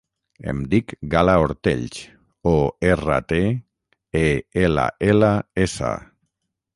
Em dic Gala Ortells: o, erra, te, e, ela, ela, essa.